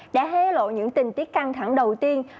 đã hé lộ những tình tiết căng thẳng đầu tiên